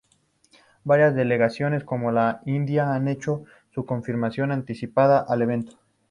Varias delegaciones como la de India han hecho su confirmación anticipada al evento.